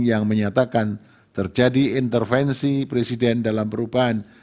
yang menyatakan terjadi intervensi presiden dalam perubahan